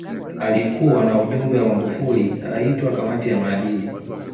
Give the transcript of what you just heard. Aliyekuwa na ujumbe wa Magufuli aitwa kamati ya maadili